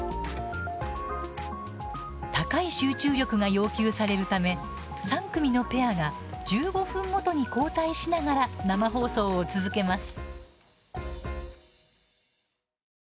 高い集中力が要求されるため３組のペアが１５分ごとに交代しながら生放送を続けます。